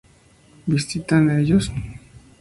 ¿Visitan ellos?